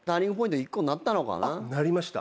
なりました。